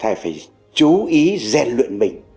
chúng ta phải chú ý rèn luyện mình